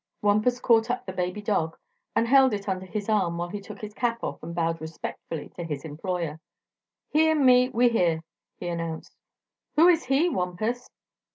Wampus caught up the baby dog and held it under his arm while he took his cap off and bowed respectfully to his employer. "He an' me, we here," he announced. "Who is 'he,' Wampus?"